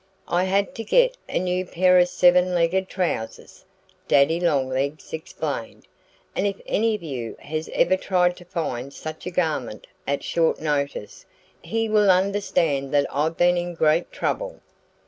"I had to get a new pair of seven legged trousers," Daddy Longlegs explained. "And if any of you has ever tried to find such a garment at short notice he will understand that I've been in great trouble."